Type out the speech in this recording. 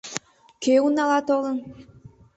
— Кӧ унала толын?